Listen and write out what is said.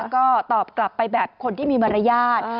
ก็ตอบกลับไปแบบคนที่มีมารยาท